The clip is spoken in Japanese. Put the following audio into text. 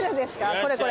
これこれ。